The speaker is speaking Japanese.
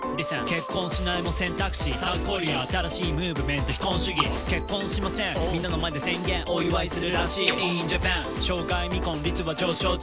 結婚しないも選択肢」「ＳｏｕｔｈＫｏｒｅａ」「新しいムーブメント非婚主義」「結婚しませんみんなの前で宣言お祝いするらしい」「ｉｎＪａｐａｎ生涯未婚率は上昇中」